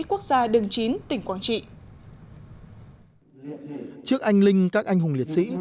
quốc gia đường chín tỉnh quảng trị trước anh linh các anh hùng liệt sĩ